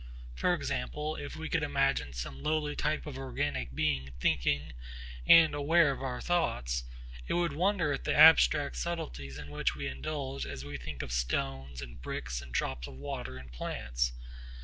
For example, if we could imagine some lowly type of organic being thinking and aware of our thoughts, it would wonder at the abstract subtleties in which we indulge as we think of stones and bricks and drops of water and plants.